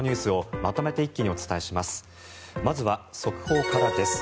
まずは速報からです。